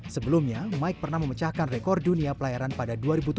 sebelumnya mike pernah memecahkan rekor dunia pelayaran pada dua ribu tujuh